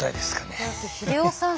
だって英世さん